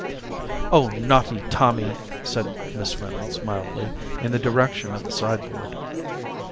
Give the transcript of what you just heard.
"Oh, naughty Tommy!" said Miss Reynolds mildly, in the direction of the sideboard.